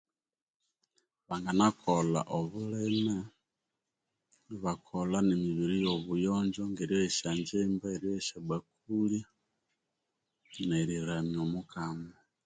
Banganakolha obulime ibakolha nemibiri eyobuyonjo ngeryoya esyanjimba eryoya esyabakuli neriramya omukama.